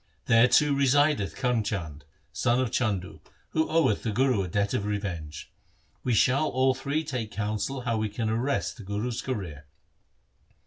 There too resideth Karm Chand, son of Chandu, who oweth the Guru a debt of revenge. We shall all three take counsel how we can arrest the Guru's career.'